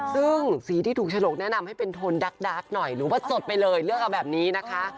ซึ่งสีที่ถูกฉลกแนะนำให้เป็นโทนดักหน่อยหรือว่าสดไปเลยเลือกเอาแบบนี้นะคะ